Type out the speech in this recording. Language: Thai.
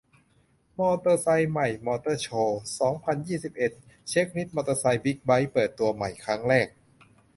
มอเตอร์ไซค์ใหม่มอเตอร์โชว์ สองพันยี่สิบเอ็ด เช็กลิสต์มอเตอร์ไซค์ บิ๊กไบค์ เปิดตัวใหม่ครั้งแรก